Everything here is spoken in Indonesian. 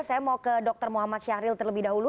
saya mau ke dr muhammad syahril terlebih dahulu